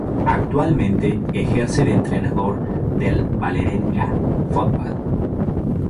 Actualmente ejerce de entrenador del Vålerenga Fotball.